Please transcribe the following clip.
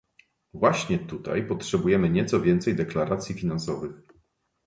Właśnie tutaj potrzebujemy nieco więcej deklaracji finansowych